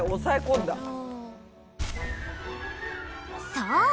そう！